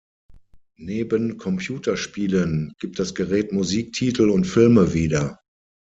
Neben Computerspielen gibt das Gerät Musiktitel und Filme wieder.